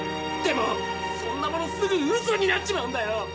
でもそんなものすぐウソになっちまうんだよ！